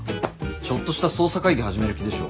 ちょっとした捜査会議始める気でしょ。